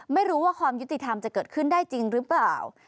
ไม่รู้ว่าความยุติธรรมจะเกิดขึ้นได้จริงหรือเปล่า